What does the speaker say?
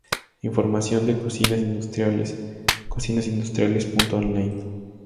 Información de Cocinas Industriales CocinasIndustriales.online